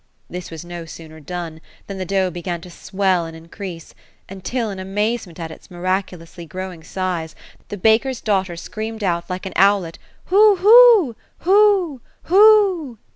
This was no sooner done, than the dough began to swell and increase, until, in amaze at its miracu lously growing size, the baker's daughter screamed out, like an owlet, ^ Woohoo— hoo— hoo